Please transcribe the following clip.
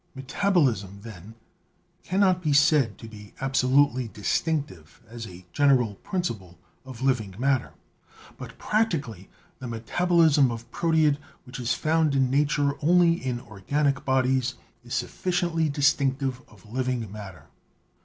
Metabolism, then, cannot be said to be absolutely distinctive, as a general principle, of living matter, but practically the metabolism of proteid which is found in nature only in organic bodies, is sufficiently dis tinctive of living matter.